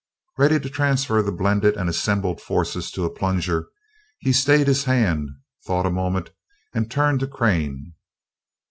Ready to transfer the blended and assembled forces to a plunger, he stayed his hand, thought a moment, and turned to Crane.